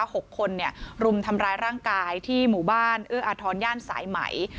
หกคนเนี่ยรุมทำร้ายร่างกายที่หมู่บ้านเอื้ออาทรย่านสายไหม